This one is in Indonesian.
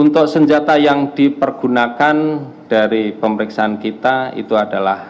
untuk senjata yang dipergunakan dari pemeriksaan kita itu adalah